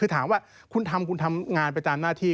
ถามว่าคุณทำงานไปตามหน้าที่